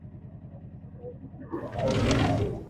kuvaa mavazi ya kimagharibi mno licha ya kuwa